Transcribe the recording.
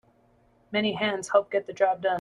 Many hands help get the job done.